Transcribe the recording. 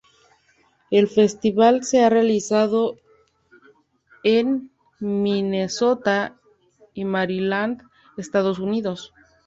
El festival se ha realizado en Minnesota y Maryland, Estados Unidos.